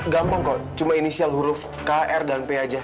gampang kok cuma inisial huruf kr dan p aja